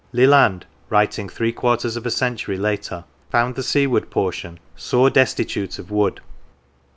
Leland, writing three quarters of a century later, found the seaward portion " sore destitute of wood."